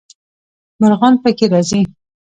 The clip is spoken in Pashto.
مرغان پکې راځي.